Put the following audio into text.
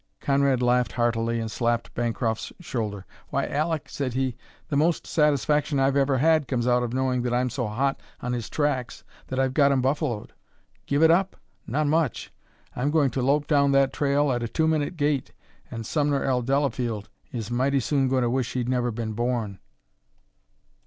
Conrad laughed heartily and slapped Bancroft's shoulder. "Why, Aleck," said he, "the most satisfaction I've ever had comes out of knowing that I'm so hot on his tracks that I've got him buffaloed. Give it up? Not much! I'm going to lope down that trail at a two minute gait, and Sumner L. Delafield is mighty soon going to wish he'd never been born."